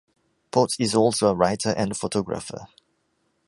Potts is also a writer and photographer.